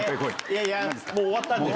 いやいやもう終わったんで。